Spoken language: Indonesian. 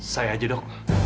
saya aja dok